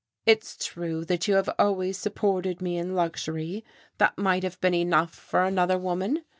It's true that you have always supported me in luxury, that might have been enough for another woman.